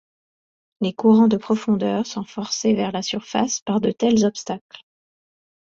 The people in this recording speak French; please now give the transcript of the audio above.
Les courants de profondeurs sont forcés vers la surface par de tels obstacles.